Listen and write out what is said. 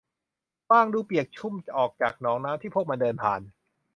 กวางดูเปียกชุ่มออกจากหนองน้ำที่พวกมันเดินผ่าน